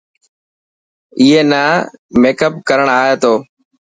ائي نا ميڪپ ڪرڻ آئي تو.